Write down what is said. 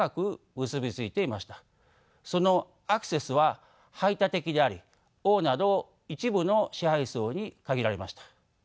そのアクセスは排他的であり王など一部の支配層に限られました。